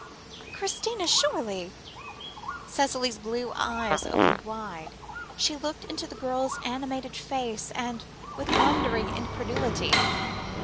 "But Christina surely!" Cicely's blue eyes opened wide, she looked into the girl's animated face, with wondering incredulity.